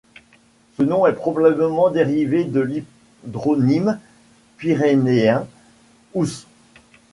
Ce nom est probablement dérivé de l'hydronyme pyrénéen Ousse.